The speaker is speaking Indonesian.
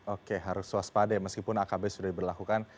oke harus waspada ya meskipun akb sudah diberlakukan